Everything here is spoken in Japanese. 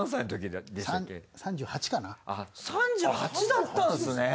３８だったんですね！